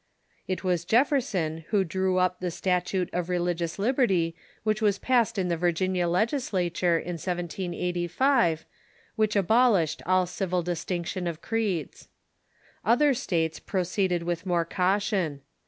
It was Jefferson who drew up the statute of re ligious liberty which was passed in the Virginia Legislature in 1785, which abolished all civil distinction of creeds. Other states proceeded with more caution.